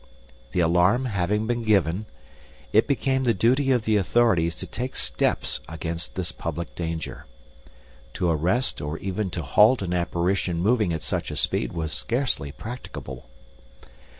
The alarm having been given, it became the duty of the authorities to take steps against this public danger. To arrest or even to halt an apparition moving at such speed was scarcely practicable.